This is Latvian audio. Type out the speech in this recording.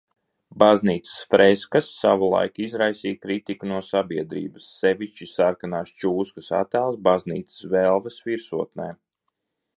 Baznīcas freskas savulaik izraisīja kritiku no sabiedrības, sevišķi sarkanas čūskas attēls baznīcas velves virsotnē.